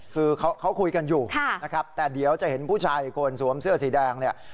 คือเค้าคุยกันอยู่แต่เดี๋ยวจะเจอการเห็นผู้ชายคนสวมเสื้อสีแดงเนี่ย